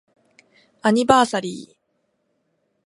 アニバーサリー